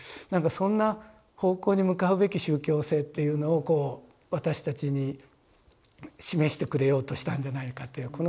なんかそんな方向に向かうべき宗教性っていうのをこう私たちに示してくれようとしたんじゃないかという。